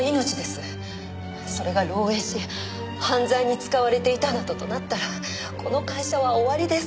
それが漏洩し犯罪に使われていたなどとなったらこの会社は終わりですから。